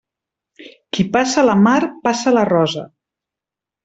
Qui passa la mar, passa la rosa.